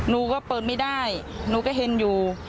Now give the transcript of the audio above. หนูก็เปิดไม่ได้หนูก็เห็นอยู่